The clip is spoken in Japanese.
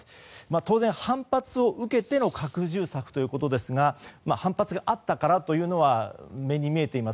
当然、反発を受けての拡充策ということですが反発があったからというのは目に見えています。